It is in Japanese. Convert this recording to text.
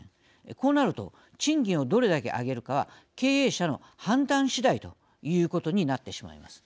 こうなると賃金をどれだけ上げるかは経営者の判断次第ということになってしまいます。